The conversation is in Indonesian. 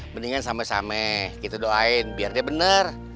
mendingan sama sama kita doain biar dia bener